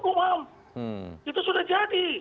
kumam itu sudah jadi